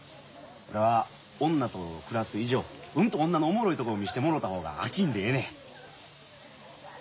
俺は女と暮らす以上うんと女のおもろいところ見してもろた方が飽きんでええねん。